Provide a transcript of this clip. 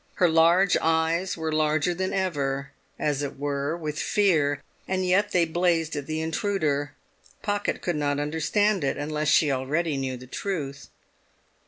Her large eyes were larger than ever, as it were with fear, and yet they blazed at the intruder. Pocket could not understand it, unless she already knew the truth.